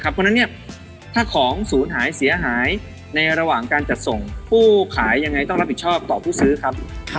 เพราะฉะนั้นถ้าของศูนย์หายเสียหายในระหว่างการจัดส่งผู้ขายยังไงต้องรับผิดชอบต่อผู้ซื้อครับ